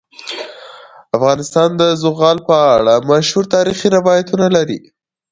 افغانستان د زغال په اړه مشهور تاریخی روایتونه لري.